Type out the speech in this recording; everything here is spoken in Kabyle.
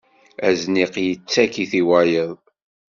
Azniq yettak-it i wayeḍ.